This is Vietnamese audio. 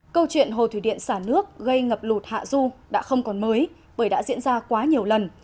câu chuyện hồ thủy điện xả nước gây ngập lụt hạ du đã không còn mới bởi đã diễn ra quá nhiều lần